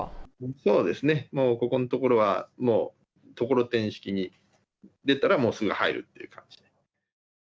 そうですね、もうここのところは、もうところてん式に、出たらもうすぐ入るっていう感じ。